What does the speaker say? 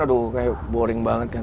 aduh kayak boring banget kan